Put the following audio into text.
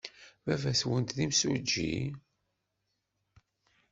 Baba-twent d imsujji?